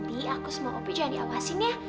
tapi nanti aku sama opi jangan diawasin ya